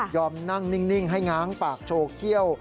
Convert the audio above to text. นั่งนิ่งให้ง้างปากโชว์เขี้ยว